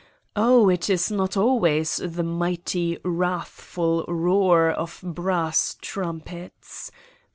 Oh, it is not always the mighty, wrathful roar of brass trumpets.